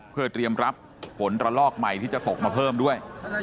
เพื่อเตรียมรับฝนระลอกใหม่ที่จะตกมาเพิ่มด้วย